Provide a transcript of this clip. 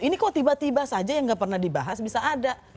ini kok tiba tiba saja yang gak pernah dibahas bisa ada